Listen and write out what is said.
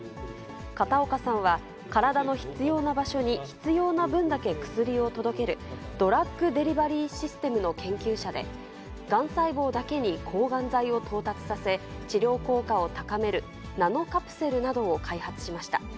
片岡さんは、体の必要な場所に必要な分だけ薬を届けるドラッグ・デリバリー・システムの研究者で、がん細胞だけに抗がん剤を到達させ、治療効果を高めるナノカプセルなどを開発しました。